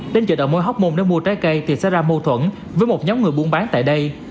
đến chợ đạo mối hóc môn để mua trái cây thì sẽ ra mâu thuẫn với một nhóm người buôn bán tại đây